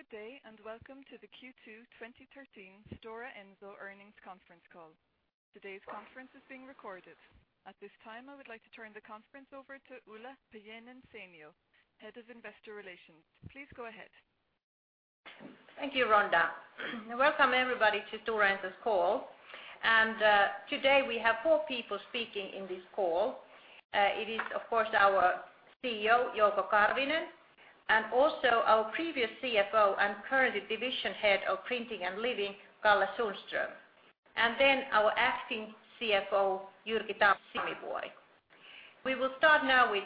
Good day and welcome to the Q2 2013 Stora Enso Earnings Conference Call. Today's conference is being recorded. At this time, I would like to turn the conference over to Ulla Paajanen-Sainio, Head of Investor Relations. Please go ahead. Thank you, Rhonda. Welcome everybody to Stora Enso's call. Today we have four people speaking in this call. It is, of course, our CEO, Jouko Karvinen, and also our previous CFO and current division head of Printing and Living, Kalle Sundström. Then our Acting Chief Financial Officer, Jyrki Tammivuori. We will start now with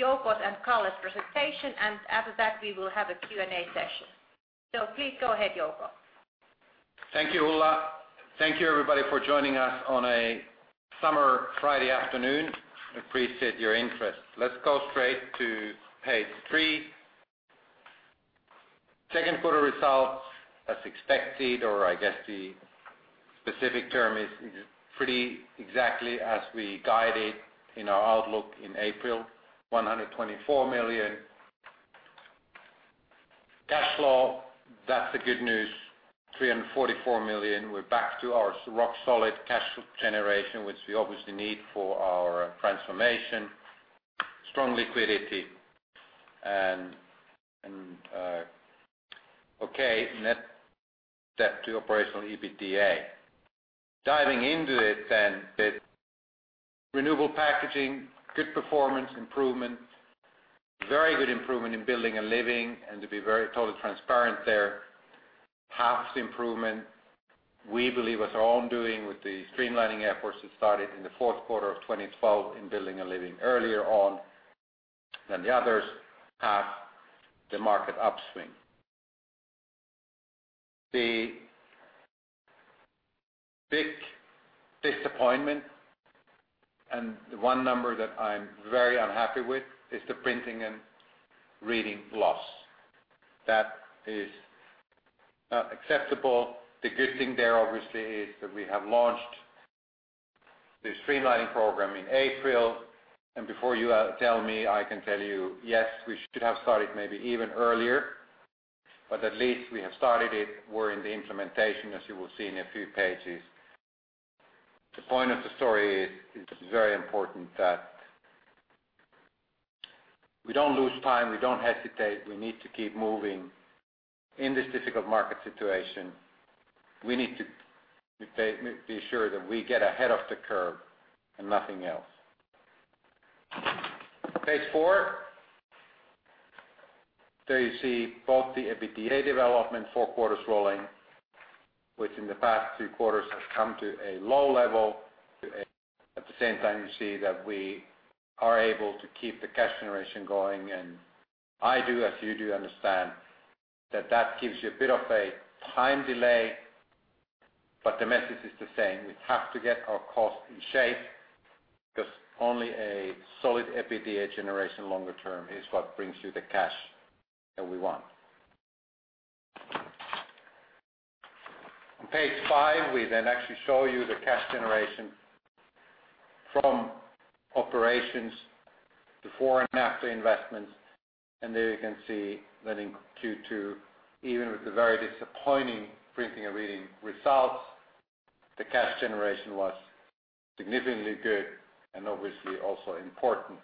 Jouko's and Kalle's presentation, and after that, we will have a Q&A session. Please go ahead, Jouko. Thank you, Ulla. Thank you everybody for joining us on a summer Friday afternoon. Appreciate your interest. Let's go straight to page three. Second quarter results, as expected, or I guess the specific term is pretty exactly as we guided in our outlook in April, 124 million. Cash flow, that's the good news, 344 million. We're back to our rock-solid cash flow generation, which we obviously need for our transformation. Strong liquidity and okay net debt to operational EBITDA. Diving into it then, the Renewable Packaging, good performance, improvement. Very good improvement in Building and Living, and to be very totally transparent there, half the improvement, we believe was our own doing with the streamlining efforts that started in the fourth quarter of 2012 in Building and Living earlier on than the others, half the market upswing. The big disappointment and the one number that I'm very unhappy with is the Printing and Reading loss. That is not acceptable. The good thing there, obviously, is that we have launched the streamlining program in April. Before you tell me, I can tell you, yes, we should have started maybe even earlier, but at least we have started it. We're in the implementation, as you will see in a few pages. The point of the story is it's very important that we don't lose time, we don't hesitate. We need to keep moving in this difficult market situation. We need to be sure that we get ahead of the curve and nothing else. Page four. There you see both the EBITDA development, four quarters rolling, which in the past two quarters has come to a low level. At the same time, you see that we are able to keep the cash generation going. I do, as you do, understand that that gives you a bit of a time delay, the message is the same. We have to get our costs in shape because only a solid EBITDA generation longer term is what brings you the cash that we want. On page five, we actually show you the cash generation from operations before and after investments. There you can see that in Q2, even with the very disappointing Printing and Reading results, the cash generation was significantly good and obviously also important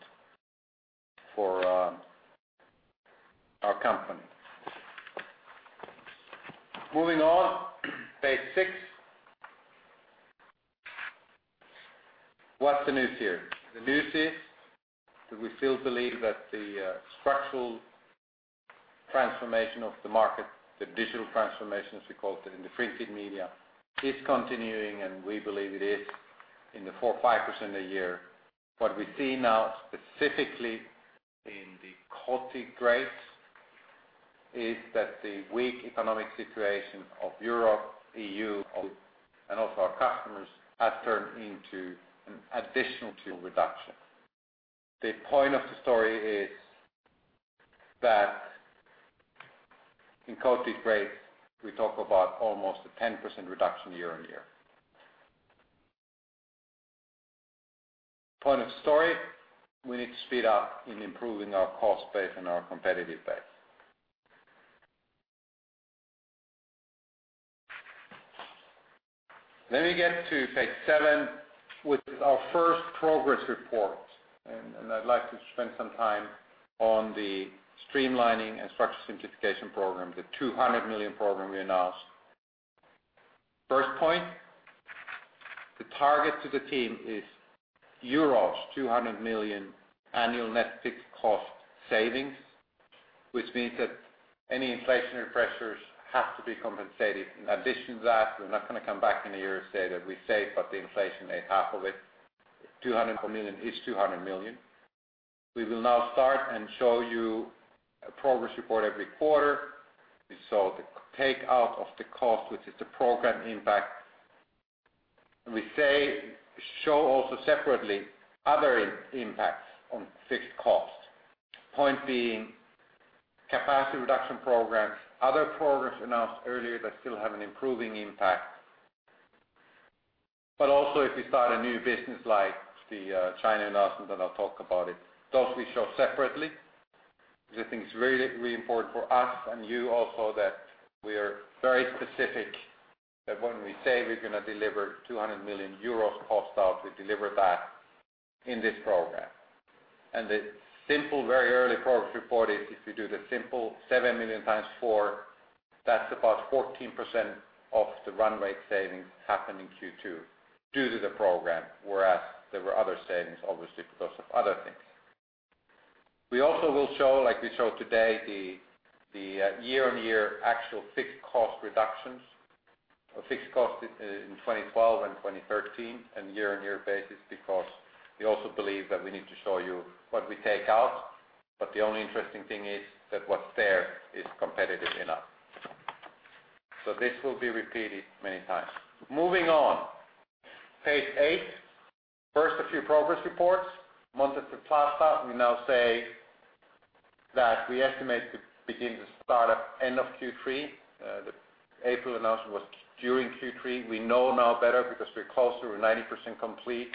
for our company. Moving on. Page six. What's the news here? The news is that we still believe that the structural transformation of the market, the digital transformation, as we called it in the printed media, is continuing, we believe it is in the 4, 5% a year. What we see now, specifically in the coated grades, is that the weak economic situation of Europe, the E.U., and also our customers has turned into an additional reduction. The point of the story is that in coated grades, we talk about almost a 10% reduction year-on-year. Point of story, we need to speed up in improving our cost base and our competitive base. We get to page seven with our first progress report, I'd like to spend some time on the streamlining and structure simplification program, the 200 million program we announced. First point, the target to the team is euros 200 million annual net fixed cost savings, which means that any inflationary pressures have to be compensated. In addition to that, we're not going to come back in a year to say that we saved, the inflation ate half of it. 200 million is 200 million. We will now start and show you a progress report every quarter. We saw the takeout of the cost, which is the program impact. We show also separately other impacts on fixed costs. Point being, capacity reduction programs, other programs announced earlier that still have an improving impact. Also if you start a new business like the China announcement, I'll talk about it. Those we show separately, because I think it's really important for us and you also that we are very specific that when we say we're going to deliver 200 million euros cost out, we deliver that in this program. The simple, very early progress report is if you do the simple 7 million times 4, that's about 14% of the run rate savings happen in Q2 due to the program, whereas there were other savings, obviously, because of other things. We also will show, like we show today, the year-on-year actual fixed cost reductions or fixed cost in 2012 and 2013 and year-on-year basis, because we also believe that we need to show you what we take out. The only interesting thing is that what's there is competitive enough. This will be repeated many times. Moving on. Page eight. First, a few progress reports. Montes del Plata, we now say that we estimate to begin to start up end of Q3. The April announcement was during Q3. We know now better because we're closer, we're 90% complete.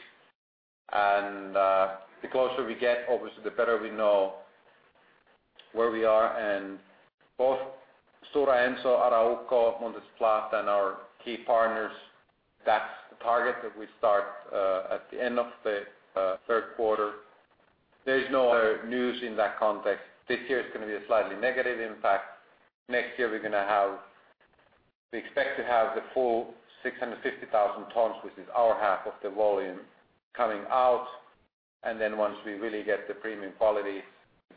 The closer we get, obviously, the better we know where we are and both Stora Enso, Arauco, Montes del Plata, and our key partners, that's the target that we start at the end of the third quarter. There is no other news in that context. This year it's going to be a slightly negative impact. Next year, we expect to have the full 650,000 tons, which is our half of the volume coming out, and then once we really get the premium quality,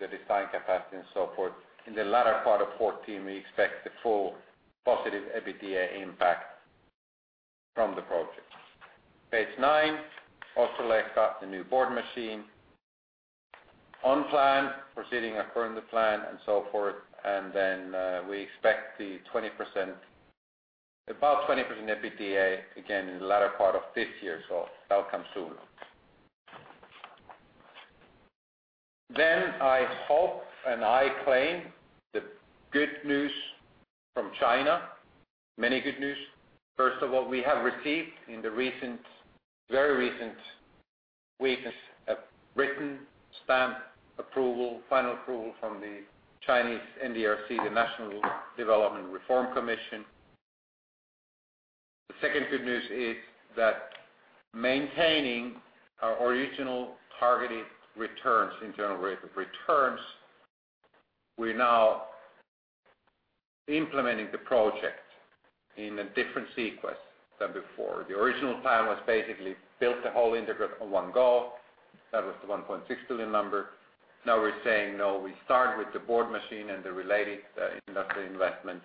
the design capacity and so forth in the latter part of 2014, we expect the full positive EBITDA impact from the project. Page nine. Ostrołęka, the new board machine. On plan, proceeding according to plan and so forth. We expect about 20% EBITDA, again, in the latter part of this year. That'll come soon. I hope, and I claim, the good news from China. Many good news. First of what we have received in the very recent weeks, a written stamp approval, final approval from the Chinese NDRC, the National Development and Reform Commission. The second good news is that maintaining our original targeted returns, internal rate of returns, we're now implementing the project in a different sequence than before. The original plan was basically build the whole integrated on one go. That was the 1.6 billion number. We're saying, no, we start with the board machine and the related industrial investments,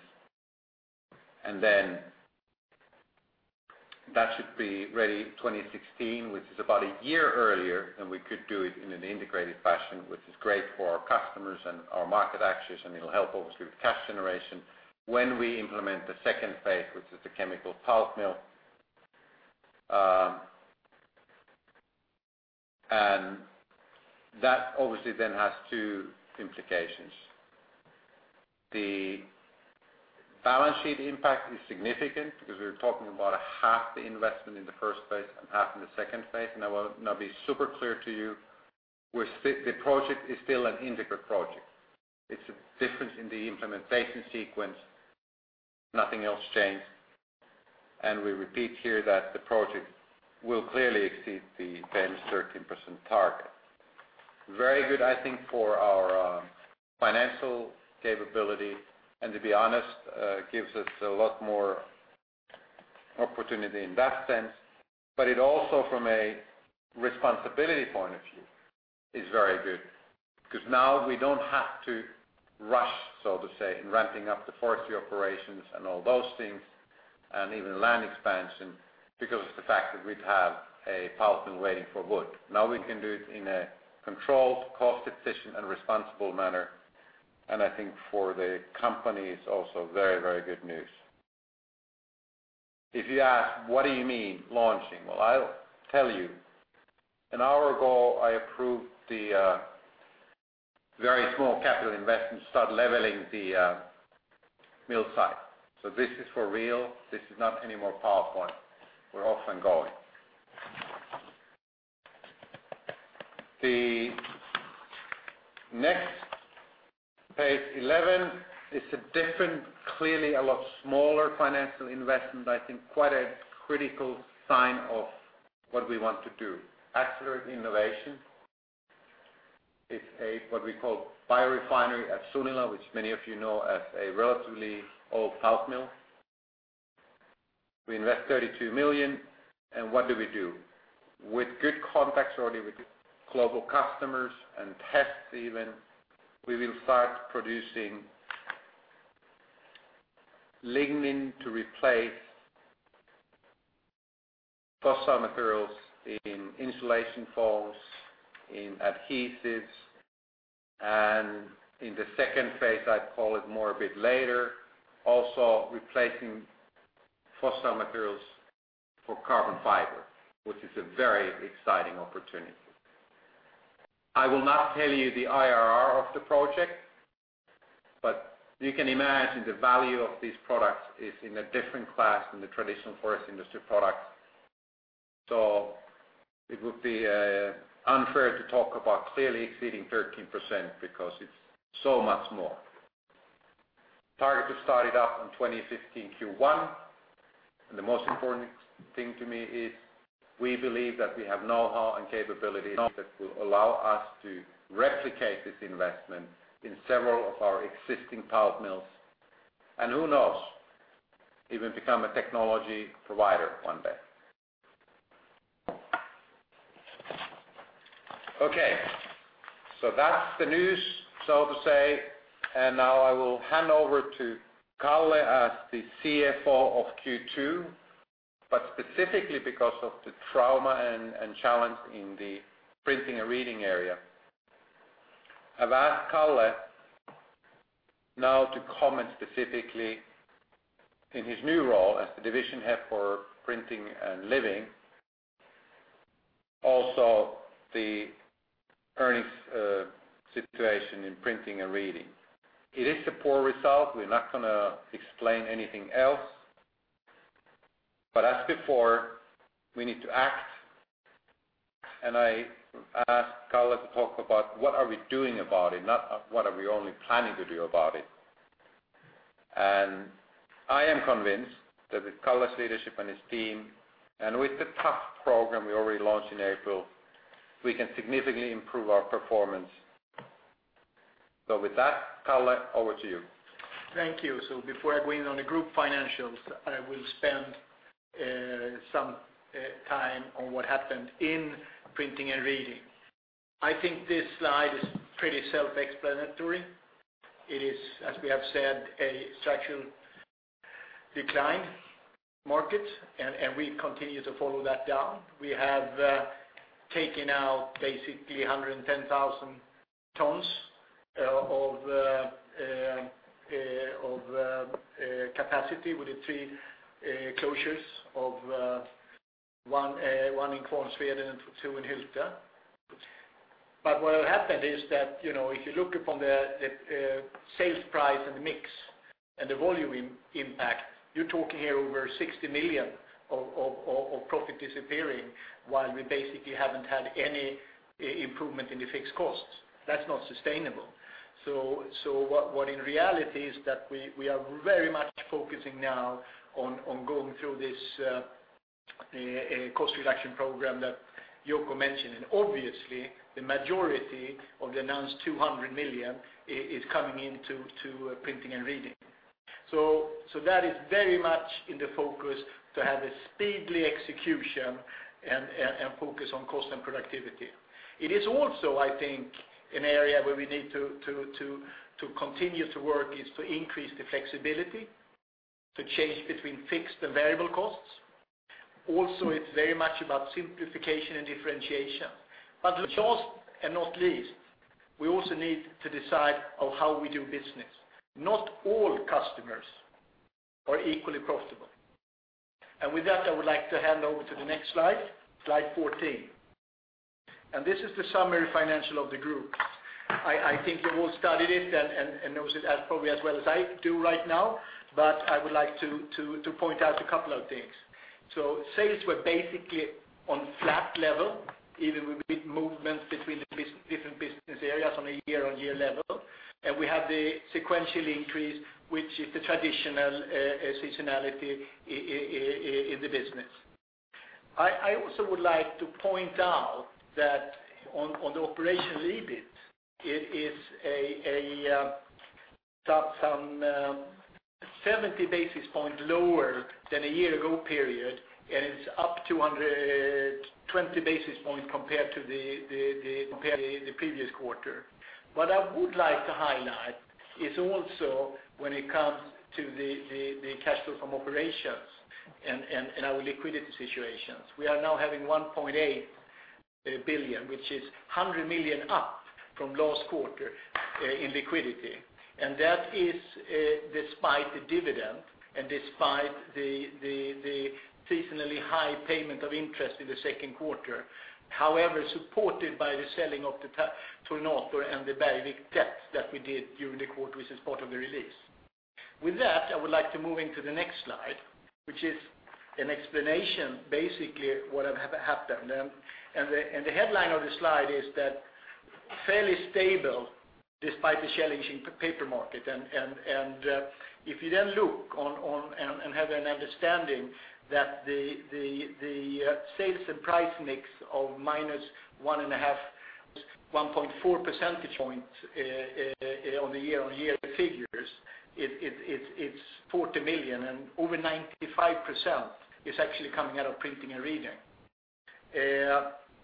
that should be ready 2016, which is about a year earlier than we could do it in an integrated fashion, which is great for our customers and our market access, and it'll help obviously with cash generation when we implement the second phase, which is the chemical pulp mill. That obviously then has two implications. The balance sheet impact is significant because we're talking about a half the investment in the first phase and half in the second phase. I want to now be super clear to you, the project is still an integrated project. It's a difference in the implementation sequence. Nothing else changed. We repeat here that the project will clearly exceed the 10%-13% target. Very good, I think, for our financial capability, and to be honest gives us a lot more opportunity in that sense. It also from a responsibility point of view is very good because now we don't have to rush, so to say, in ramping up the forestry operations and all those things, and even land expansion because of the fact that we'd have a pulp mill waiting for wood. We can do it in a controlled, cost efficient, and responsible manner. I think for the company, it's also very good news. If you ask, what do you mean launching? I'll tell you. An hour ago, I approved the very small capital investment to start leveling the mill site. This is for real. This is not any more PowerPoint. We're off and going. The next, page 11, is a different, clearly a lot smaller financial investment. I think quite a critical sign of what we want to do. Accelerate innovation is what we call biorefinery at Sunila, which many of you know as a relatively old pulp mill. We invest 32 million, and what do we do? With good contacts already with global customers and tests even, we will start producing lignin to replace fossil materials in insulation foams, in adhesives. In the second phase, I'd call it more a bit later, also replacing fossil materials for carbon fiber, which is a very exciting opportunity. I will not tell you the IRR of the project, but you can imagine the value of these products is in a different class than the traditional forest industry products. So it would be unfair to talk about clearly exceeding 13% because it's so much more. Target to start it up in 2015 Q1, the most important thing to me is we believe that we have know-how and capabilities that will allow us to replicate this investment in several of our existing pulp mills. Who knows, even become a technology provider one day. That's the news, so to say, now I will hand over to Kalle as the CFO of Q2. Specifically because of the trauma and challenge in the Printing and Reading area, I've asked Kalle now to comment specifically in his new role as the Division Head for Printing and Living, also the earnings situation in Printing and Reading. It is a poor result. We're not going to explain anything else. As before, we need to act, I asked Kalle to talk about what are we doing about it, not what are we only planning to do about it. I am convinced that with Kalle's leadership and his team, with the tough program we already launched in April, we can significantly improve our performance. With that, Kalle, over to you. Thank you. Before I go in on the group financials, I will spend some time on what happened in Printing and Living. I think this slide is pretty self-explanatory. It is, as we have said, a structural decline market, we continue to follow that down. We have taken out basically 110,000 tons of capacity with the three closures, one in Kvarnsveden and two in Hylte. What happened is that, if you look upon the sales price and the mix and the volume impact, you're talking here over 60 million of profit disappearing while we basically haven't had any improvement in the fixed costs. That's not sustainable. What in reality is that we are very much focusing now on going through this cost reduction program that Jouko mentioned, obviously, the majority of the announced 200 million is coming into Printing and Reading. That is very much in the focus to have a speedily execution and focus on cost and productivity. It is also, I think, an area where we need to continue to work is to increase the flexibility to change between fixed and variable costs. It's very much about simplification and differentiation. Last and not least, we also need to decide on how we do business. Not all customers are equally profitable. With that, I would like to hand over to the next slide 14. This is the summary financial of the group. I think you all studied it and knows it as probably as well as I do right now, but I would like to point out a couple of things. Sales were basically on flat level, even with movements between the different business areas on a year-on-year level. We have the sequential increase, which is the traditional seasonality in the business. I also would like to point out that on the operational EBIT, it is some 70 basis points lower than a year ago period, and it's up 220 basis points compared to the previous quarter. What I would like to highlight is also when it comes to the cash flow from operations and our liquidity situations. We are now having 1.8 billion, which is 100 million up from last quarter in liquidity. That is despite the dividend and despite the seasonally high payment of interest in the second quarter. However, supported by the selling of the Tornator and the Bergvik debts that we did during the quarter, which is part of the release. With that, I would like to move into the next slide, which is an explanation, basically what have happened. The headline of the slide is that fairly stable despite the challenging paper market. If you then look and have an understanding that the sales and price mix of minus 1.5, 1.4 percentage points on the year-on-year figures, it's 40 million, and over 95% is actually coming out of Printing and Reading.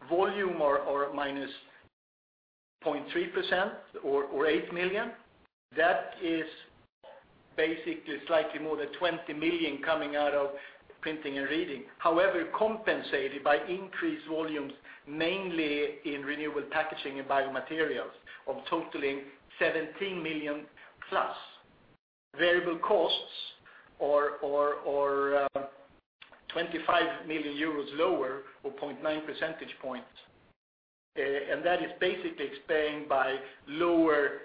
Volume or minus 0.3% or 8 million. That is basically slightly more than 20 million coming out of Printing and Reading. However, compensated by increased volumes, mainly in Renewable Packaging and Biomaterials, of totaling 17 million plus. Variable costs are 25 million euros lower or 0.9 percentage points. That is basically explained by lower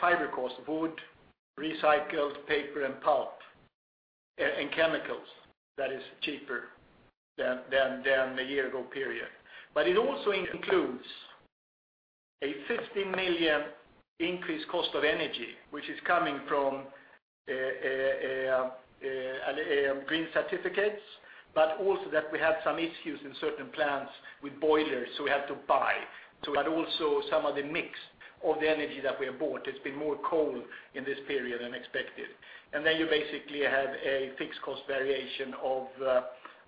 fiber cost of wood, recycled paper and pulp, and chemicals that is cheaper than the year-ago period. It also includes a 15 million increased cost of energy, which is coming from green certificates, but also that we had some issues in certain plants with boilers, so we have to buy. Also some of the mix of the energy that we have bought, it's been more coal in this period than expected. You basically have a fixed cost variation of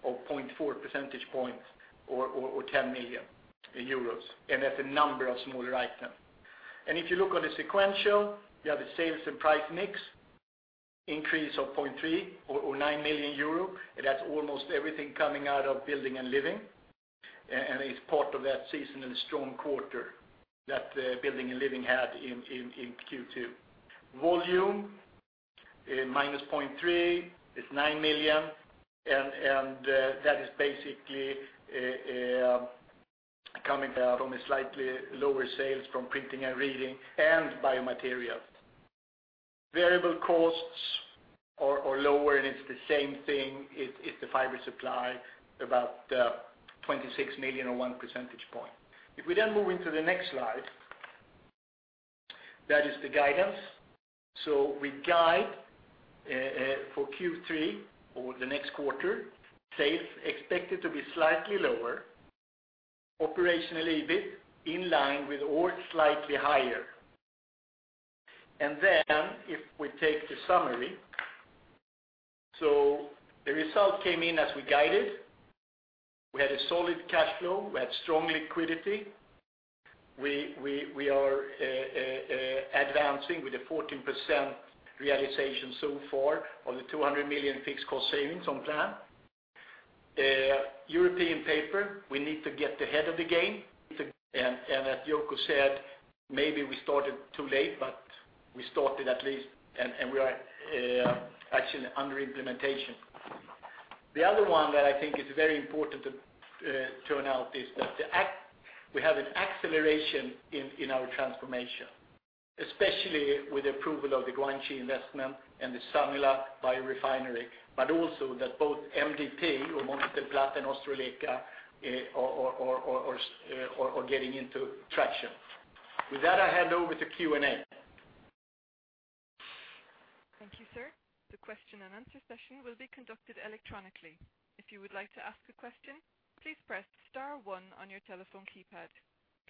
0.4 percentage points or 10 million euros, and that's a number of smaller items. If you look on the sequential, you have the sales and price mix increase of 0.3 or 9 million euro. That's almost everything coming out of Building and Living, and it's part of that seasonal strong quarter that Building and Living had in Q2. Volume, minus 0.3 is 9 million, and that is basically coming out on a slightly lower sales from Printing and Reading and Biomaterials. Variable costs are lower. It's the same thing. It's the fiber supply, about 26 million or one percentage point. If we move into the next slide, that is the guidance. We guide for Q3 or the next quarter. Sales expected to be slightly lower, operation a little bit in line with or slightly higher. If we take the summary, the result came in as we guided. We had a solid cash flow. We had strong liquidity. We are advancing with a 14% realization so far on the 200 million fixed cost savings on plan. European paper, we need to get ahead of the game. As Jouko Karvinen said, maybe we started too late, but we started at least, and we are actually under implementation. The other one that I think is very important to turn out is that we have an acceleration in our transformation, especially with the approval of the Guangxi investment and the Sunila biorefinery, but also that both MDP or Montes del Plata and Ostrołęka are getting into traction. With that, I hand over to Q&A. Thank you, sir. The question and answer session will be conducted electronically. If you would like to ask a question, please press star 1 on your telephone keypad.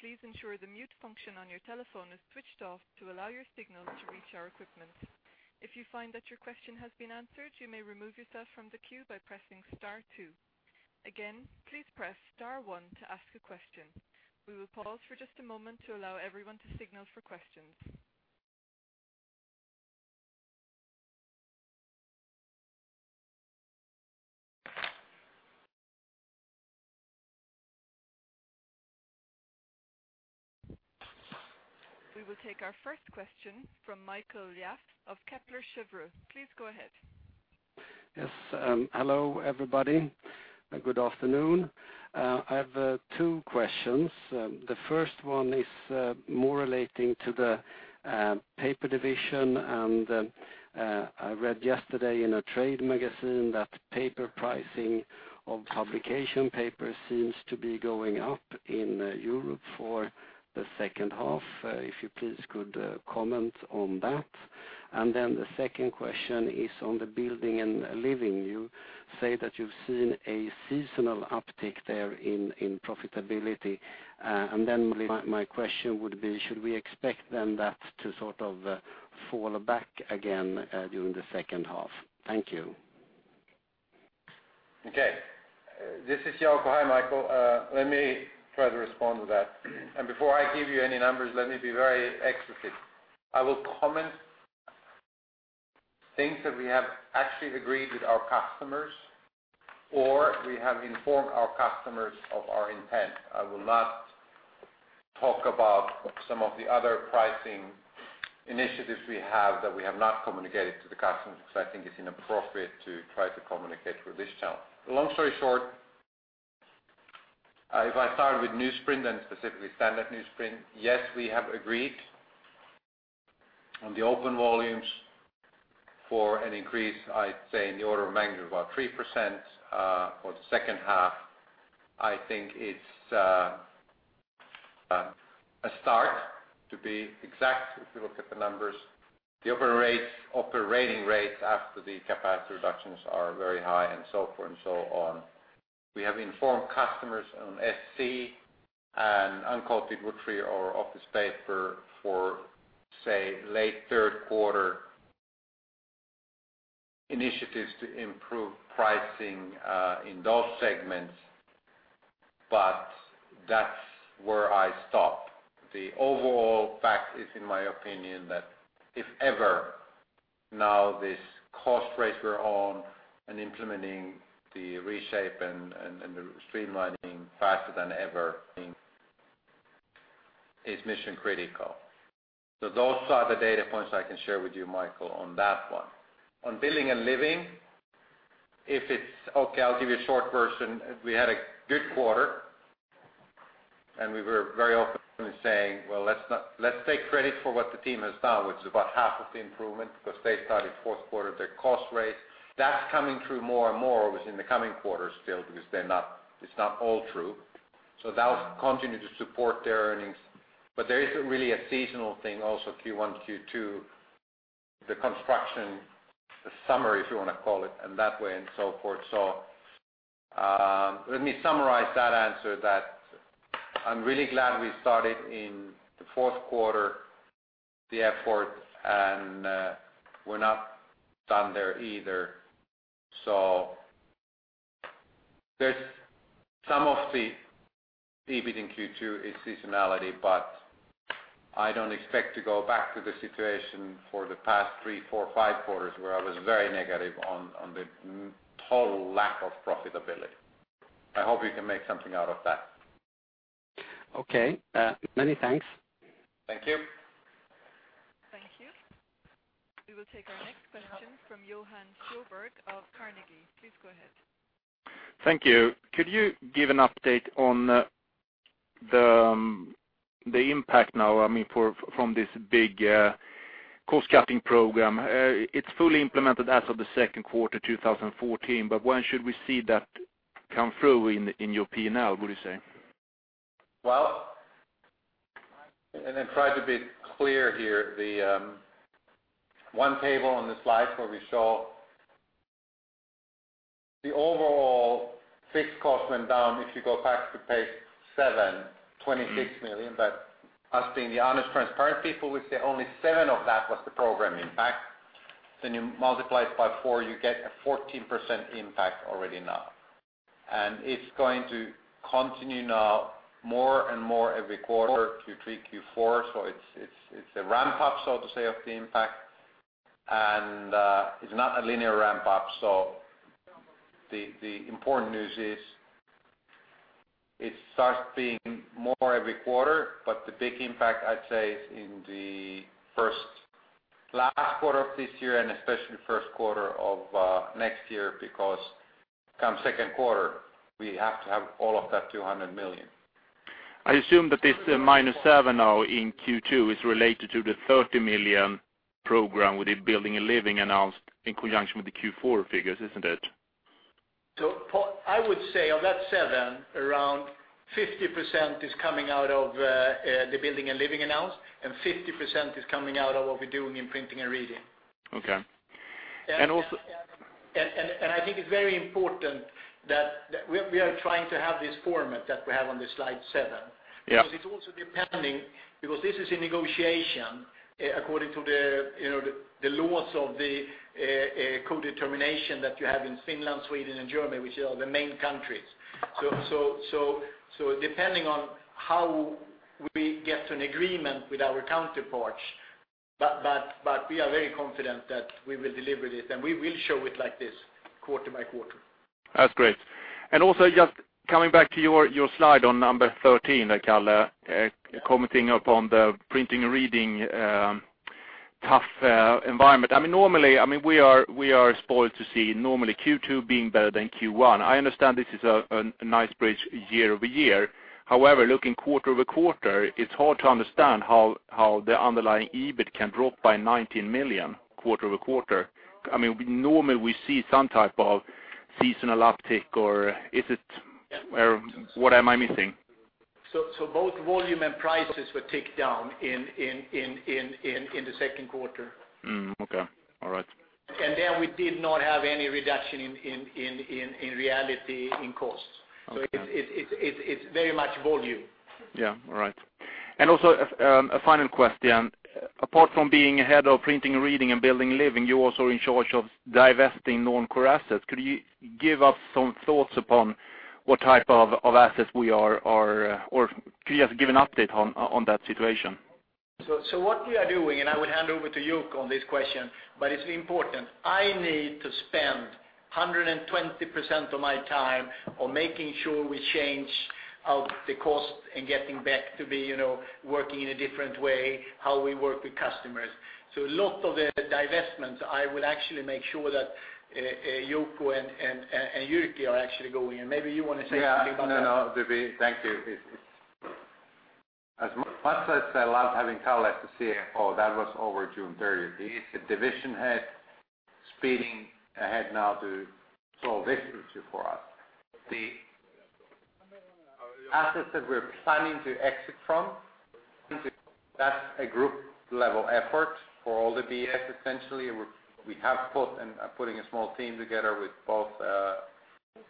Please ensure the mute function on your telephone is switched off to allow your signal to reach our equipment. If you find that your question has been answered, you may remove yourself from the queue by pressing star 2. Again, please press star 1 to ask a question. We will pause for just a moment to allow everyone to signal for questions. We will take our first question from Mikael Jåfs of Kepler Cheuvreux. Please go ahead. Yes. Hello, everybody. Good afternoon. I have two questions. The first one is more relating to the paper division. I read yesterday in a trade magazine that paper pricing of publication paper seems to be going up in Europe for the second half. If you please could comment on that. The second question is on the Building and Living. You say that you've seen a seasonal uptick there in profitability. My question would be, should we expect then that to sort of fall back again during the second half? Thank you. Okay. This is Jouko. Hi, Mikael. Let me try to respond to that. Before I give you any numbers, let me be very explicit. I will comment things that we have actually agreed with our customers, or we have informed our customers of our intent. I will not talk about some of the other pricing initiatives we have that we have not communicated to the customers because I think it's inappropriate to try to communicate through this channel. Long story short, if I start with newsprint and specifically standard newsprint, yes, we have agreed on the open volumes for an increase, I'd say in the order of magnitude of about 3% for the second half. I think it's a start to be exact if you look at the numbers. The operating rates after the capacity reductions are very high and so forth and so on. We have informed customers on SC and uncoated wood-free paper for, say, late third quarter initiatives to improve pricing in those segments, that's where I stop. The overall fact is, in my opinion, that if ever This cost rate we're on and implementing the reshape and the streamlining faster than ever is mission critical. Those are the data points I can share with you, Michael, on that one. On Building and Living, I'll give you a short version. We had a good quarter, and we were very open in saying, "Well, let's take credit for what the team has done," which is about half of the improvement because they started fourth quarter, their cost rate. That's coming through more and more within the coming quarters still because it's not all true. That will continue to support their earnings. There is really a seasonal thing also, Q1, Q2, the construction, the summer, if you want to call it, and that way and so forth. Let me summarize that answer that I'm really glad we started in the fourth quarter the effort, and we're not done there either. There's some of the EBIT in Q2 is seasonality, but I don't expect to go back to the situation for the past three, four, five quarters where I was very negative on the total lack of profitability. I hope you can make something out of that. Okay. Many thanks. Thank you. Thank you. We will take our next question from Johan Sjöberg of Carnegie. Please go ahead. Thank you. Could you give an update on the impact now from this big cost-cutting program? It's fully implemented as of the second quarter 2014, but when should we see that come through in your P&L, would you say? I try to be clear here. The one table on the slide where we show the overall fixed cost went down, if you go back to page seven, 26 million. Us being the honest, transparent people, we say only seven of that was the program impact. You multiply it by four, you get a 14% impact already now. It's going to continue now more and more every quarter, Q3, Q4. It's a ramp-up, so to say, of the impact. It's not a linear ramp-up. The important news is it starts being more every quarter, but the big impact, I'd say, is in the last quarter of this year and especially first quarter of next year, because come second quarter, we have to have all of that 200 million. I assume that this minus seven now in Q2 is related to the 30 million program within Building and Living announced in conjunction with the Q4 figures, isn't it? I would say of that seven, around 50% is coming out of the Building and Living announce and 50% is coming out of what we're doing in Printing and Reading. Okay. I think it's very important that we are trying to have this format that we have on the slide seven. Yeah. It's also depending, because this is a negotiation according to the laws of the Co-determination that you have in Finland, Sweden, and Germany, which are the main countries. Depending on how we get to an agreement with our counterparts, but we are very confident that we will deliver this, and we will show it like this quarter by quarter. That's great. Also just coming back to your slide 13, Kalle, commenting upon the Printing and Reading tough environment. Normally, we are spoiled to see normally Q2 being better than Q1. I understand this is a nice bridge year-over-year. However, looking quarter-over-quarter, it's hard to understand how the underlying EBIT can drop by 19 million quarter-over-quarter. Normally, we see some type of seasonal uptick or what am I missing? Both volume and prices were ticked down in the second quarter. Okay. All right. We did not have any reduction in reality in costs. Okay. It's very much volume. Yeah. All right. Also, a final question. Apart from being Head of Printing and Reading and Building and Living, you're also in charge of divesting non-core assets. Could you give us some thoughts upon what type of assets we are, or could you just give an update on that situation? What we are doing, I would hand over to Jouko on this question, it's important. I need to spend 120% of my time on making sure we change out the cost and getting back to be working in a different way, how we work with customers. A lot of the divestments, I will actually make sure that Jouko and Jyrki are actually going in. Maybe you want to say something about that. No, thank you. As much as I loved having Kalle as the CFO, that was over June 30th. He is the division head speeding ahead now to solve this issue for us. The assets that we're planning to exit from, that's a group-level effort for all the BS, essentially. We have put and are putting a small team together with both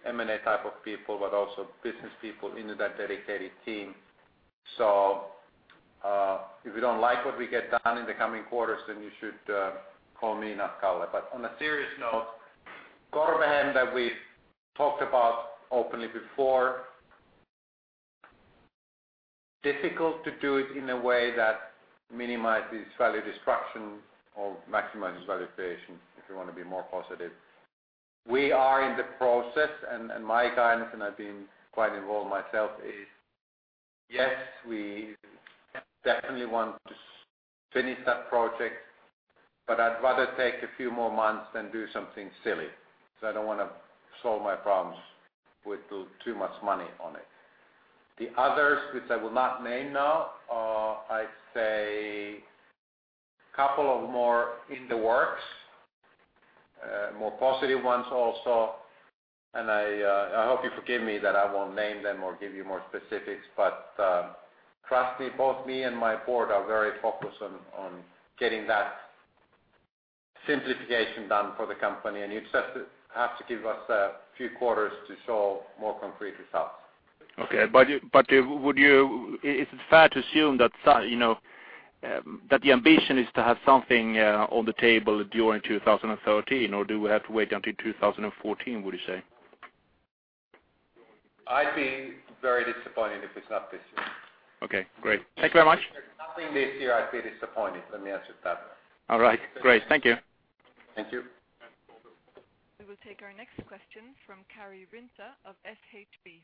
M&A type of people, but also business people into that dedicated team. If you don't like what we get done in the coming quarters, you should call me, not Kalle. On a serious note, Korvenkangas that we talked about openly before. Difficult to do it in a way that minimizes value destruction or maximizes value creation, if you want to be more positive. We are in the process. My guidance, and I've been quite involved myself, is yes, we definitely want to finish that project. I'd rather take a few more months than do something silly. I don't want to solve my problems with too much money on it. The others, which I will not name now, are, I'd say, a couple of more in the works. More positive ones also. I hope you forgive me that I won't name them or give you more specifics. Trust me, both me and my board are very focused on getting that simplification done for the company. You just have to give us a few quarters to show more concrete results. Okay. Is it fair to assume that the ambition is to have something on the table during 2013? Do we have to wait until 2014, would you say? I'd be very disappointed if it's not this year. Okay, great. Thank you very much. If it's not this year, I'd be disappointed. Let me answer it that way. All right. Great. Thank you. Thank you. We will take our next question from Kari Rinta of SHB.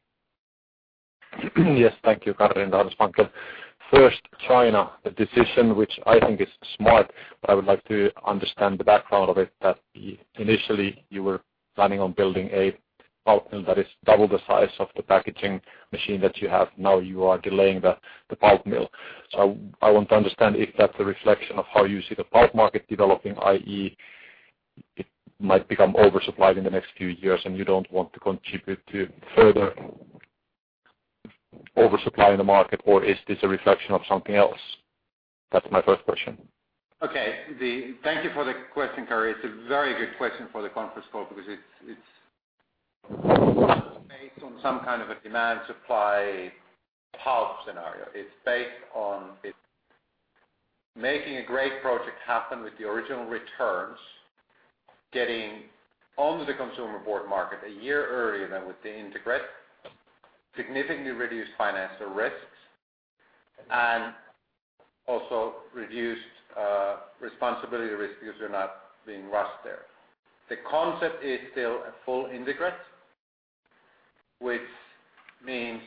Yes, thank you. Kari Rinta. [inaudible] China, the decision which I think is smart, but I would like to understand the background of it. That initially you were planning on building a pulp mill that is double the size of the packaging machine that you have. Now you are delaying the pulp mill. I want to understand if that's a reflection of how you see the pulp market developing, i.e., it might become oversupplied in the next few years and you don't want to contribute to further oversupply in the market, or is this a reflection of something else? That's my first question. Okay. Thank you for the question, Kari. It's a very good question for the conference call because it's not based on some kind of a demand-supply pulp scenario. It's based on making a great project happen with the original returns, getting onto the consumer board market a year earlier than with the integrate, significantly reduced financial risks, and also reduced responsibility risks because you're not being rushed there. The concept is still a full integrate, which means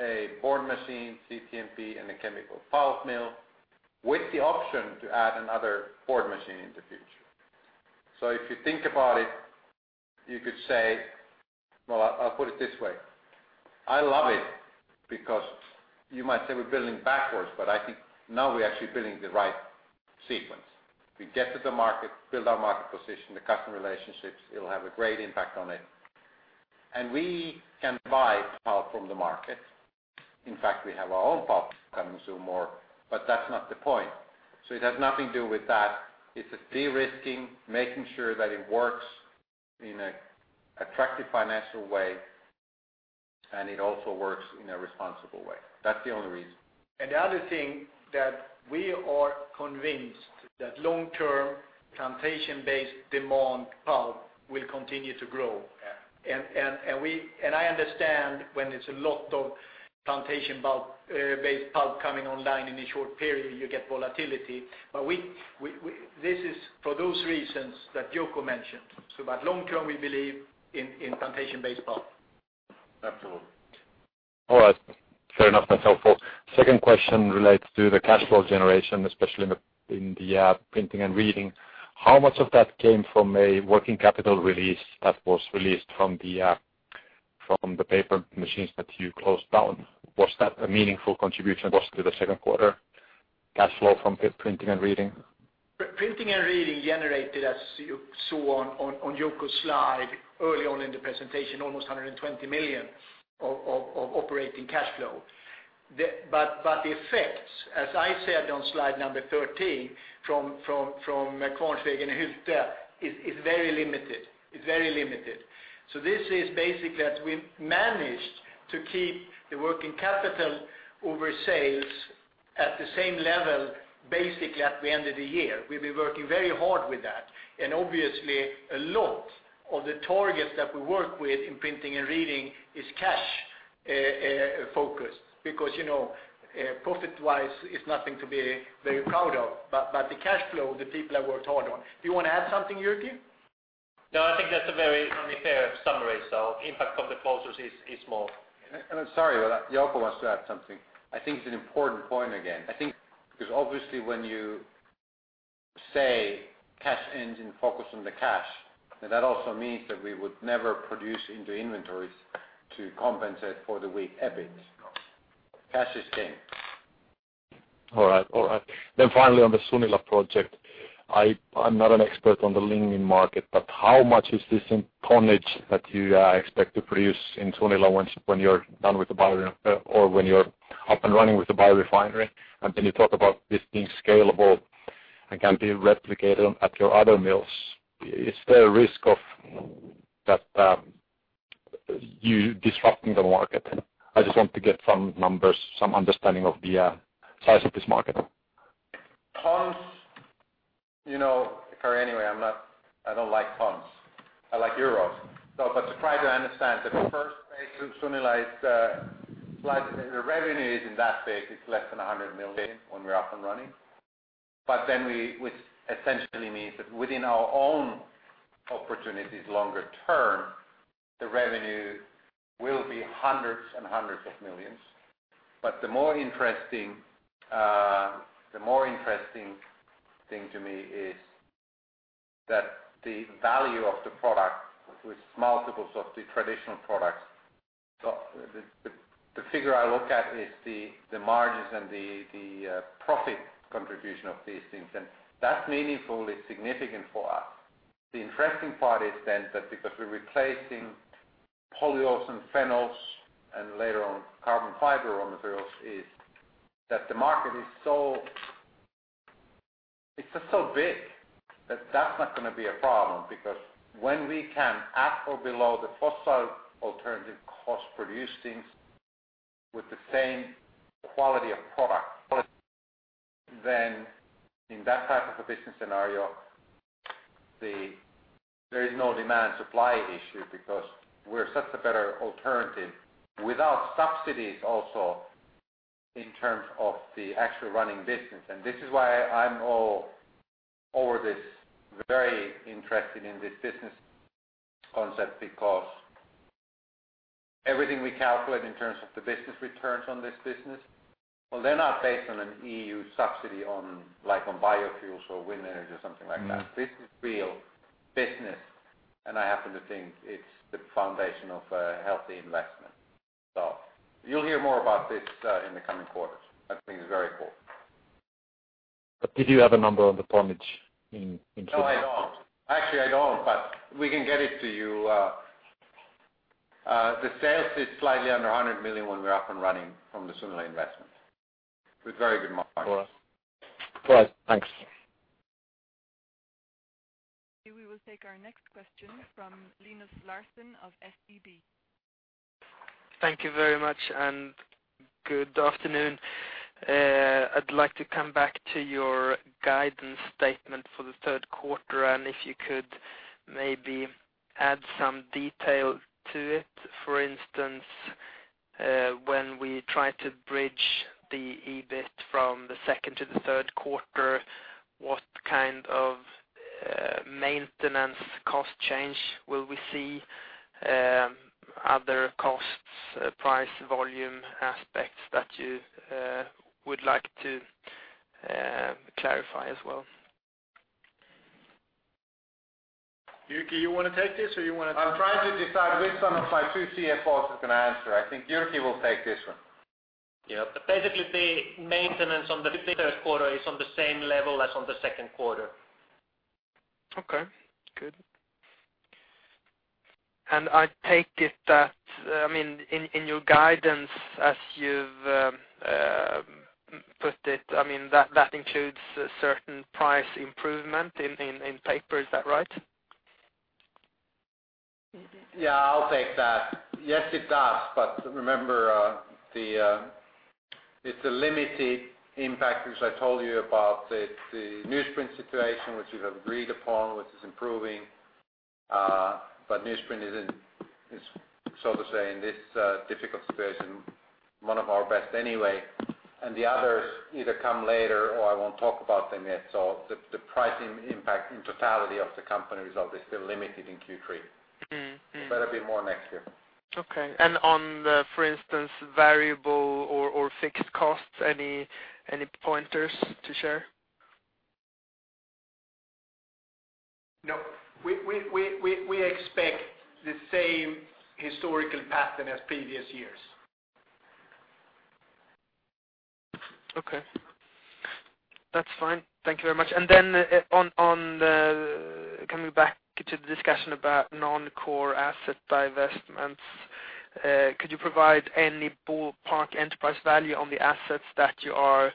a board machine, CTMP, and a chemical pulp mill with the option to add another board machine in the future. If you think about it, you could say Well, I'll put it this way. I love it because you might say we're building backwards, I think now we're actually building the right sequence. We get to the market, build our market position, the customer relationships, it'll have a great impact on it. We can buy pulp from the market. In fact, we have our own pulp coming soon more, that's not the point. It has nothing to do with that. It's a de-risking, making sure that it works in an attractive financial way and it also works in a responsible way. That's the only reason. The other thing that we are convinced that long-term, plantation-based demand pulp will continue to grow. Yeah. I understand when there's a lot of plantation-based pulp coming online in a short period, you get volatility. This is for those reasons that Jouko mentioned. Long-term, we believe in plantation-based pulp. Absolutely. All right. Fair enough. That's helpful. Second question relates to the cash flow generation, especially in the Printing and Reading. How much of that came from a working capital release that was released from the paper machines that you closed down? Was that a meaningful contribution, possibly, the second quarter cash flow from Printing and Reading? Printing and Reading generated, as you saw on Jouko's slide early on in the presentation, almost 120 million of operating cash flow. The effects, as I said on slide 13, from Kvarnsveden and Hylte, is very limited. This is basically that we managed to keep the working capital over sales at the same level, basically, at the end of the year. We've been working very hard with that. Obviously, a lot of the targets that we work with in Printing and Reading is cash-focused because profit-wise, it's nothing to be very proud of. The cash flow, the people have worked hard on. Do you want to add something, Jyrki? I think that's a very fair summary. Impact from the closures is small. I'm sorry, Jouko wants to add something. I think it's an important point, again. I think, because obviously when you say cash engine focused on the cash, that also means that we would never produce into inventories to compensate for the weak EBIT. Cash is king. All right. Finally, on the Sunila project, I'm not an expert on the lignin market, how much is this in tonnage that you expect to produce in Sunila when you're up and running with the biorefinery? You talk about this being scalable and can be replicated at your other mills. Is there a risk of that you disrupting the market? I just want to get some numbers, some understanding of the size of this market. I don't like tons. I like EUR. Try to understand that the first phase to Sunila is the revenue is in that phase, it's less than 100 million when we're up and running. Which essentially means that within our own opportunities longer term, the revenue will be hundreds and hundreds of millions of EUR. The more interesting thing to me is that the value of the product with multiples of the traditional products. The figure I look at is the margins and the profit contribution of these things, and that's meaningfully significant for us. The interesting part is then that because we're replacing polyols and phenols, and later on carbon fiber raw materials, is that the market is so big that that's not going to be a problem. When we can at or below the fossil alternative cost produce things with the same quality of product, then in that type of a business scenario, there is no demand supply issue because we're such a better alternative. Without subsidies also in terms of the actual running business. This is why I'm all over this, very interested in this business concept because everything we calculate in terms of the business returns on this business, well, they're not based on an EU subsidy like on biofuels or wind energy or something like that. This is real business. I happen to think it's the foundation of a healthy investment. You'll hear more about this in the coming quarters. I think it's very cool. Did you have a number on the tonnage in Q4? No, I don't. Actually, I don't, but we can get it to you. The sales is slightly under 100 million when we're up and running from the Sunila investment. With very good margins. All right. Thanks. We will take our next question from Linus Larsson of SEB. Thank you very much, good afternoon. I'd like to come back to your guidance statement for the third quarter, and if you could maybe add some detail to it. For instance, when we try to bridge the EBIT from the second to the third quarter, what kind of maintenance cost change will we see? Other costs, price volume aspects that you would like to clarify as well? Jyrki, you want to take this or you want to? I'm trying to decide which one of my two CFOs is going to answer. I think Jyrki will take this one. Yep. Basically, the maintenance on the third quarter is on the same level as on the second quarter. Okay, good. I take it that, in your guidance as you've put it, that includes a certain price improvement in paper. Is that right? Yeah, I'll take that. Yes, it does. Remember, it's a limited impact because I told you about the newsprint situation which you have agreed upon, which is improving. Newsprint is, so to say, in this difficult situation, one of our best anyway. The others either come later or I won't talk about them yet. The pricing impact in totality of the company result is still limited in Q3. There'll be more next year. Okay. On the, for instance, variable or fixed costs, any pointers to share? No. We expect the same historical pattern as previous years. Okay. That's fine. Thank you very much. Coming back to the discussion about non-core asset divestments, could you provide any ballpark enterprise value on the assets that you are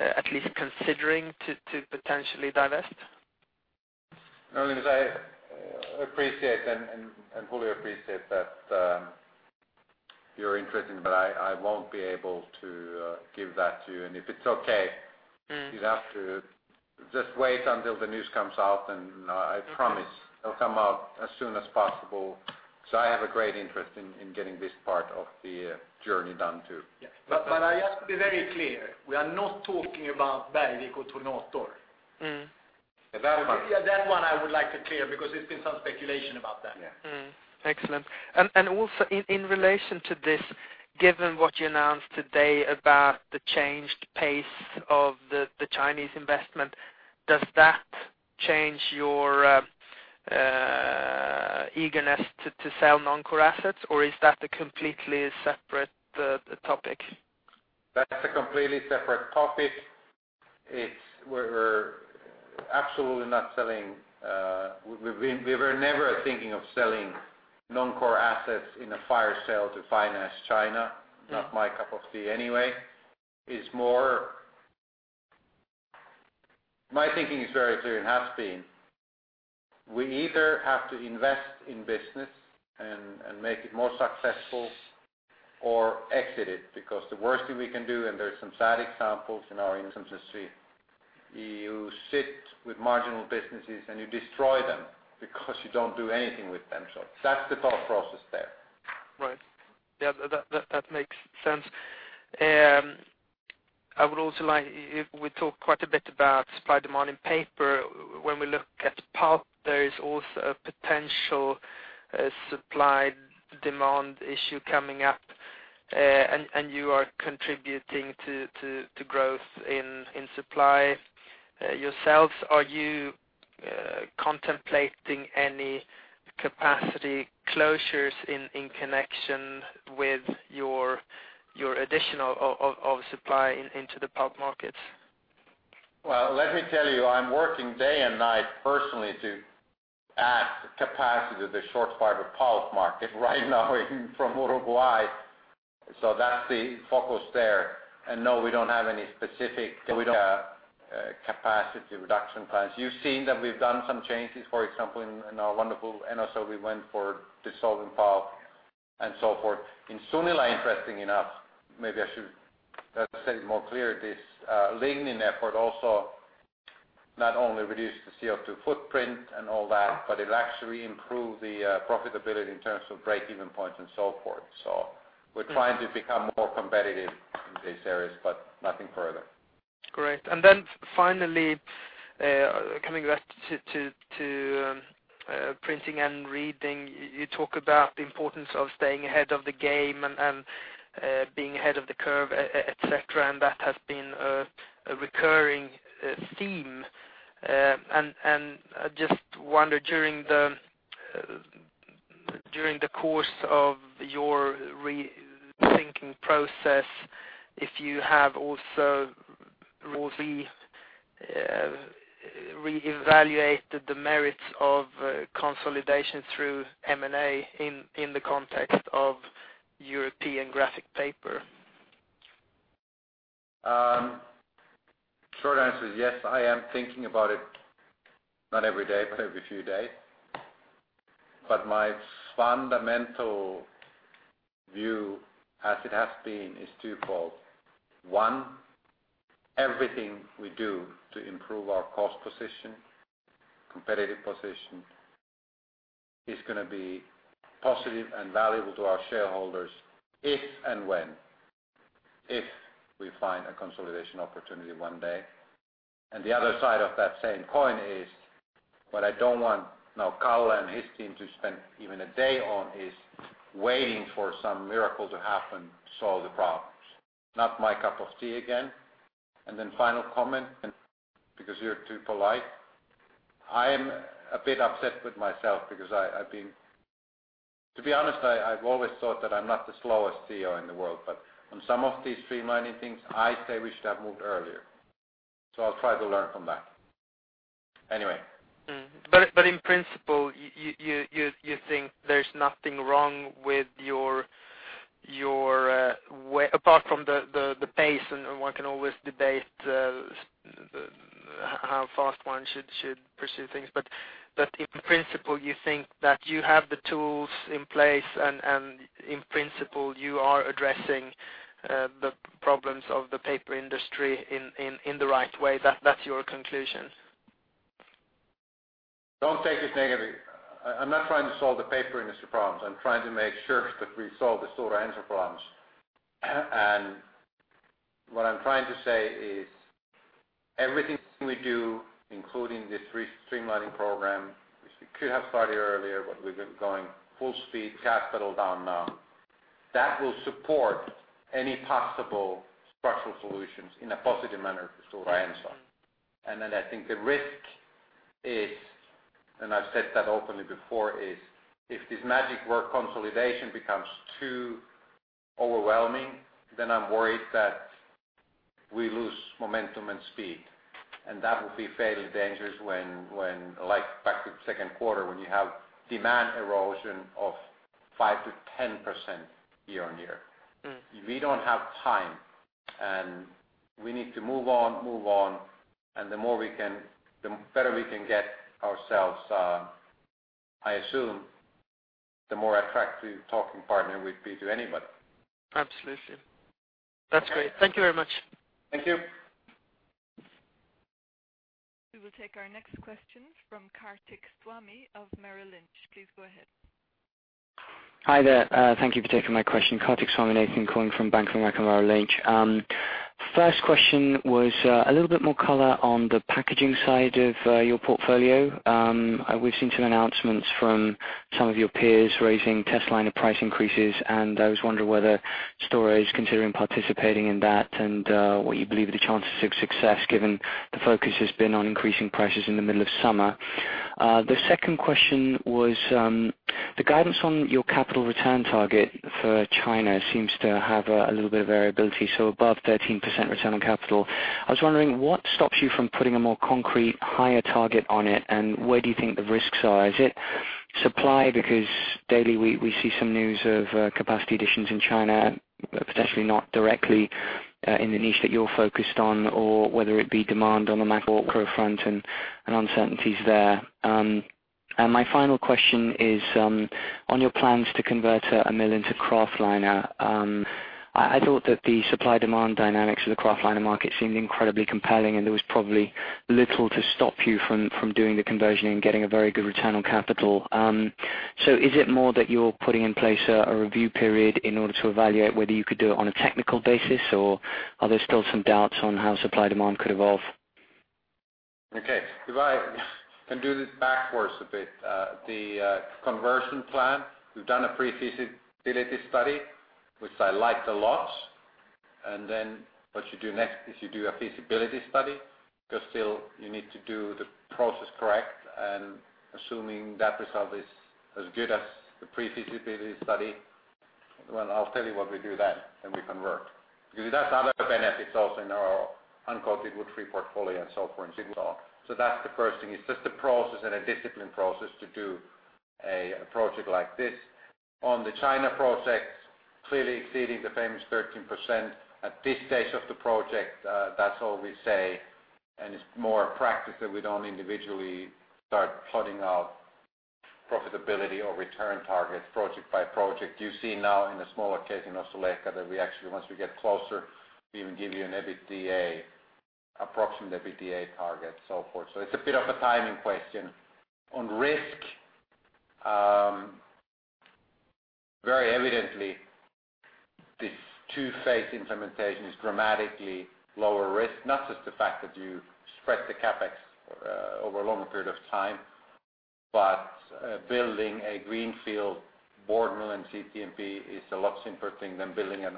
at least considering to potentially divest? No, Linus, I appreciate and fully appreciate that you're interested, I won't be able to give that to you. If it's okay- you have to just wait until the news comes out, and I promise it'll come out as soon as possible. I have a great interest in getting this part of the journey done, too. I have to be very clear, we are not talking about Bergvik or Tornator. That one. That one I would like to clear because there's been some speculation about that. Yeah. Excellent. Also in relation to this, given what you announced today about the changed pace of the Chinese investment, does that change your eagerness to sell non-core assets? Is that a completely separate topic? That's a completely separate topic. We're absolutely We were never thinking of selling non-core assets in a fire sale to finance China. Not my cup of tea anyway. My thinking is very clear and has been We either have to invest in business and make it more successful or exit it. The worst thing we can do, and there are some sad examples in our industry, you sit with marginal businesses and you destroy them because you don't do anything with them. That's the thought process there. Right. Yeah, that makes sense. I would also like, if we talk quite a bit about supply demand in paper, when we look at pulp, there is also a potential supply demand issue coming up. You are contributing to growth in supply yourselves. Are you contemplating any capacity closures in connection with your additional of supply into the pulp markets? Well, let me tell you, I'm working day and night personally to add capacity to the short-fiber pulp market right now from Uruguay. That's the focus there. No, we don't have any specific capacity reduction plans. You've seen that we've done some changes, for example, in our wonderful Enocell, we went for dissolving pulp and so forth. In Sunila, interesting enough, maybe I should say it more clear, this lignin effort also not only reduced the CO2 footprint and all that, but it actually improved the profitability in terms of break-even points and so forth. We're trying to become more competitive in these areas, but nothing further. Great. Finally, coming back to Printing and Reading, you talk about the importance of staying ahead of the game and being ahead of the curve, et cetera, and that has been a recurring theme. I just wonder during the course of your rethinking process, if you have also re-evaluated the merits of consolidation through M&A in the context of European graphic paper. Short answer is yes, I am thinking about it, not every day, but every few days. My fundamental view, as it has been, is twofold. One, everything we do to improve our cost position, competitive position, is going to be positive and valuable to our shareholders if and when. If we find a consolidation opportunity one day. The other side of that same coin is what I don't want now Kalle and his team to spend even a day on is waiting for some miracle to happen to solve the problems. Not my cup of tea again. Final comment, because you're too polite, I am a bit upset with myself because To be honest, I've always thought that I'm not the slowest CEO in the world, but on some of these streamlining things, I say we should have moved earlier. I'll try to learn from that. Anyway. In principle, you think there's nothing wrong with your way, apart from the pace and one can always debate how fast one should pursue things. In principle, you think that you have the tools in place and, in principle, you are addressing the problems of the paper industry in the right way. That's your conclusion? Don't take this negative. I'm not trying to solve the paper industry problems. I'm trying to make sure that we solve the Stora Enso problems. What I'm trying to say is everything we do, including this streamlining program, which we could have started earlier, but we've been going full speed, gas pedal down now. That will support any possible structural solutions in a positive manner for Stora Enso. Then I think the risk is, and I've said that openly before, is if this magic word consolidation becomes too overwhelming, then I'm worried that we lose momentum and speed. That will be fairly dangerous when, back to the second quarter, when you have demand erosion of 5%-10% year-over-year. We don't have time, and we need to move on, move on, and the better we can get ourselves, I assume the more attractive talking partner we'd be to anybody. Absolutely. That's great. Thank you very much. Thank you. We will take our next question from Kartik Swami of Merrill Lynch. Please go ahead. Hi there. Thank you for taking my question. Kartik Swami calling from Bank of America Merrill Lynch. First question was a little bit more color on the packaging side of your portfolio. We've seen some announcements from some of your peers raising testliner price increases, and I was wondering whether Stora is considering participating in that and what you believe are the chances of success given the focus has been on increasing prices in the middle of summer. The second question was the guidance on your capital return target for China seems to have a little bit of variability, so above 13% return on capital. I was wondering what stops you from putting a more concrete, higher target on it, and where do you think the risks are? Is it supply, because daily we see some news of capacity additions in China, potentially not directly in the niche that you're focused on or whether it be demand on the macro front and uncertainties there. My final question is on your plans to convert a mill into kraftliner. I thought that the supply-demand dynamics of the kraftliner market seemed incredibly compelling, and there was probably little to stop you from doing the conversion and getting a very good return on capital. Is it more that you're putting in place a review period in order to evaluate whether you could do it on a technical basis, or are there still some doubts on how supply-demand could evolve? Okay. If I can do this backwards a bit. The conversion plan, we've done a pre-feasibility study, which I liked a lot. What you do next is you do a feasibility study, because still you need to do the process correct, and assuming that result is as good as the pre-feasibility study, well, I'll tell you what we do then. Then we convert. Because it has other benefits also in our uncoated wood-free portfolio and so forth and so on. That's the first thing. It's just a process and a disciplined process to do a project like this. On the China project, clearly exceeding the famous 13%. At this stage of the project, that's all we say. It's more a practice that we don't individually start plotting out profitability or return targets project by project. You see now in a smaller case in Ostrołęka that we actually, once we get closer, we even give you an approximate EBITDA target, so forth. It's a bit of a timing question. On risk, very evidently, this two-phase implementation is dramatically lower risk. Not just the fact that you spread the CapEx over a longer period of time, but building a greenfield board mill and CTMP is a lot simpler thing than building a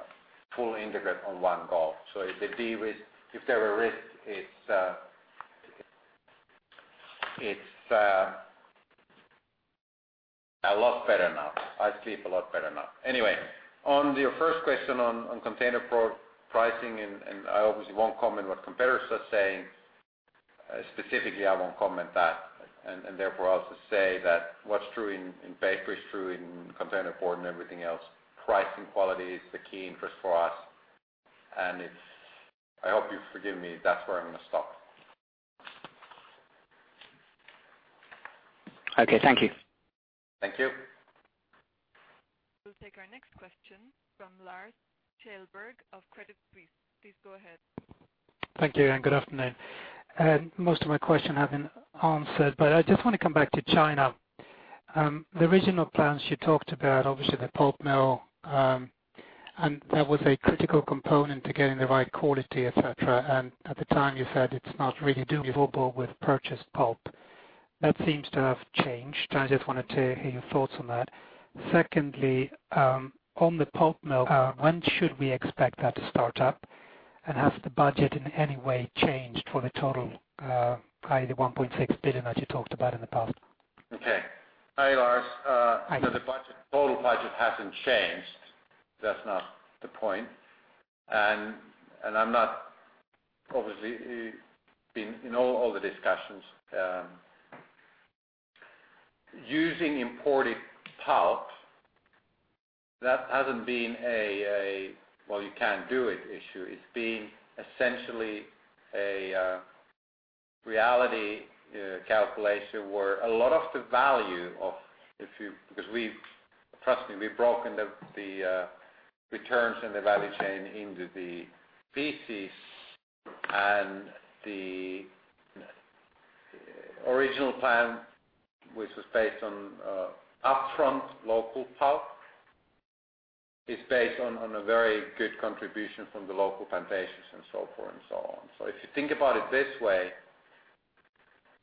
full integrate on one go. If there were risk, it's a lot better now. I sleep a lot better now. Anyway, on your first question on containerboard pricing, I obviously won't comment what competitors are saying. Specifically, I won't comment that, therefore also say that what's true in paper is true in containerboard and everything else. Pricing quality is the key interest for us. I hope you forgive me, that's where I'm going to stop. Okay. Thank you. Thank you. We'll take our next question from Lars Kjellberg of Credit Suisse. Please go ahead. Thank you. Good afternoon. Most of my question have been answered, but I just want to come back to China. The original plans you talked about, obviously the pulp mill, and that was a critical component to getting the right quality, et cetera. At the time you said it's not really doable with purchased pulp. That seems to have changed. I just wanted to hear your thoughts on that. Secondly, on the pulp mill, when should we expect that to start up? Has the budget in any way changed for the total, probably the 1.6 billion that you talked about in the past? Okay. Hi, Lars. Hi. The total budget hasn't changed. That's not the point. I'm not obviously been in all the discussions. Using imported pulp, that hasn't been a, well, you can't do it issue. It's been essentially a reality calculation where a lot of the value of because trust me, we've broken the returns and the value chain into the pieces. The original plan, which was based on upfront local pulp, is based on a very good contribution from the local plantations and so forth and so on. If you think about it this way,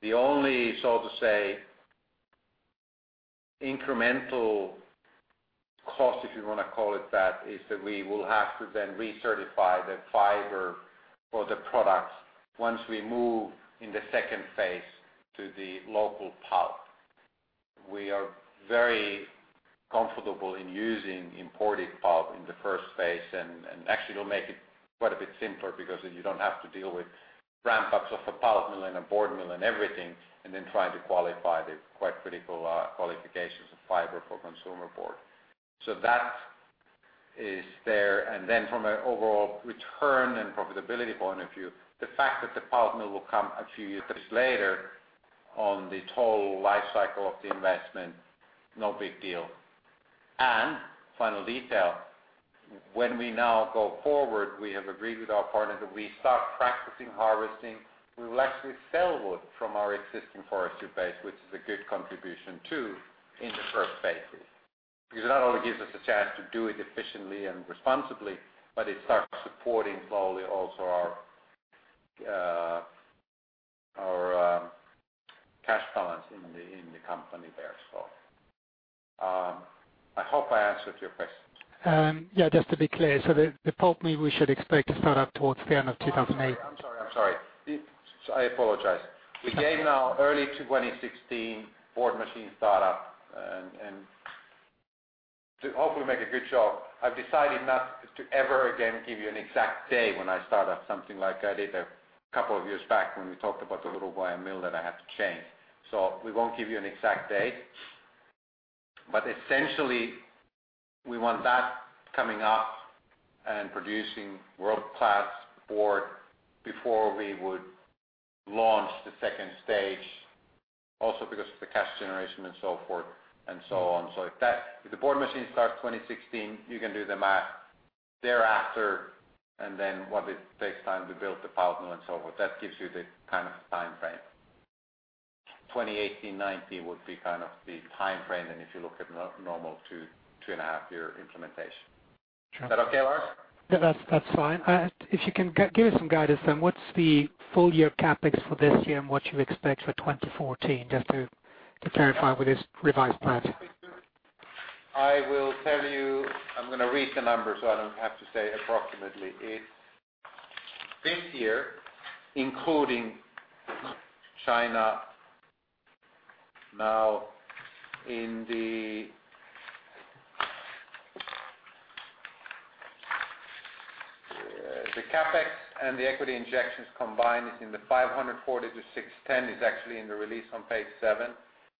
the only so to say incremental cost, if you want to call it that, is that we will have to then recertify the fiber for the products once we move in the phase 2 to the local pulp. We are very comfortable in using imported pulp in the phase 1. Actually it'll make it quite a bit simpler because then you don't have to deal with ramp-ups of a pulp mill and a board mill and everything, then trying to qualify the quite critical qualifications of fiber for consumer board. That is there. From an overall return and profitability point of view, the fact that the pulp mill will come a few years later on the total life cycle of the investment, no big deal. Final detail, when we now go forward, we have agreed with our partner that we start practicing harvesting. We will actually sell wood from our existing forestry base, which is a good contribution, too, in the phase 1s. It not only gives us a chance to do it efficiently and responsibly, but it starts supporting slowly also our cash balance in the company there. I hope I answered your questions. Just to be clear, the pulp mill we should expect to start up towards the end of 2018? I'm sorry. I apologize. We gave now early 2016 board machine startup. To hopefully make a good job, I've decided not to ever again give you an exact day when I start up something like I did a couple of years back when we talked about the Montes del Plata mill that I have to change. We won't give you an exact date, but essentially, we want that coming up and producing world-class board before we would launch the stage 2, also because of the cash generation and so forth and so on. If the board machine starts 2016, you can do the math thereafter, and then what it takes time to build the pulp mill and so forth, that gives you the kind of timeframe. 2018, 2019 would be kind of the timeframe than if you look at the normal two and a half year implementation. Sure. Is that okay, Lars? That's fine. If you can give us some guidance, what's the full year CapEx for this year and what you expect for 2014, just to clarify with this revised plan. I will tell you, I'm going to read the number so I don't have to say approximately. It's this year, including China. Now in the CapEx and the equity injections combined is in the 540-610, is actually in the release on page seven,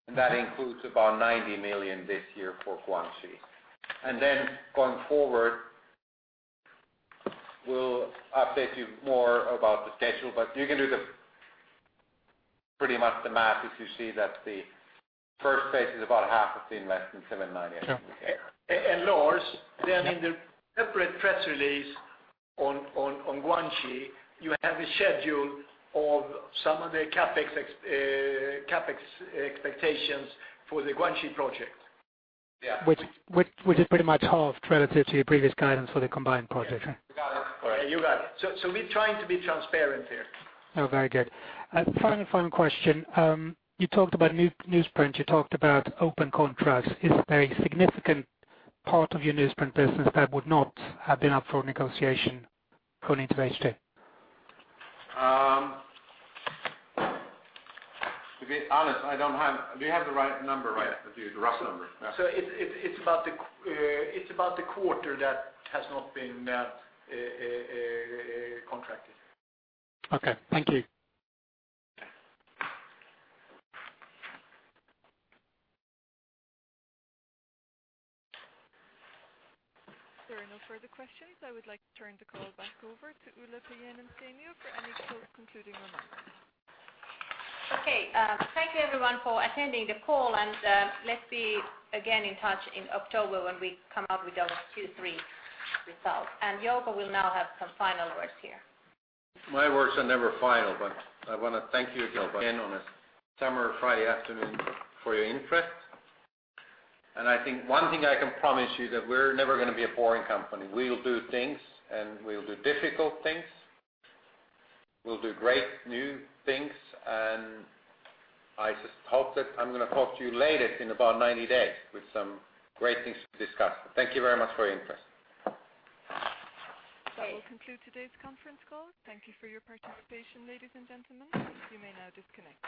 and that includes about 90 million this year for Guangxi. Going forward, we'll update you more about the schedule. You can do pretty much the math if you see that the phase 1 is about half of the investment, seven, 9, 8, okay. Sure. Lars, then in the separate press release on Guangxi, you have a schedule of some of the CapEx expectations for the Guangxi project. Yeah. Which is pretty much halved relative to your previous guidance for the combined project. You got it. All right. You got it. We're trying to be transparent here. Oh, very good. Final, final question. You talked about newsprint, you talked about open contracts. Is there a significant part of your newsprint business that would not have been up for negotiation going into H2? To be honest, I don't have Do you have the right number right with you? The rough number? It is about a quarter that has not been contracted. Okay. Thank you. There are no further questions. I would like to turn the call back over to Ulla Paajanen-Sainio for any close concluding remarks. Okay. Thank you everyone for attending the call, and let's be again in touch in October when we come out with our Q3 results. Jouko will now have some final words here. My words are never final. I want to thank you again on a summer Friday afternoon for your interest. I think one thing I can promise you that we're never going to be a boring company. We'll do things, and we'll do difficult things. We'll do great new things, and I just hope that I'm going to talk to you later in about 90 days with some great things to discuss. Thank you very much for your interest. Okay. That will conclude today's conference call. Thank you for your participation, ladies and gentlemen. You may now disconnect.